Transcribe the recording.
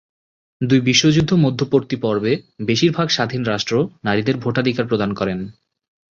দুই বিশ্বযুদ্ধ-মধ্যপর্তী পর্বে বেশির ভাগ স্বাধীন রাষ্ট্র নারীদের ভোটাধিকার প্রদান করেন।